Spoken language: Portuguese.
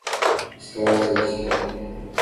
Estou ao seu dispor